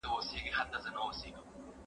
هغه وويل چي فکر ضروري دی،